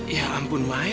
ya ampun may